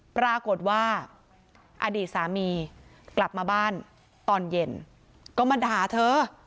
ปรากฏว่าอดีตสามีกลับมาบ้านตอนเย็นก็มาด่าเธอ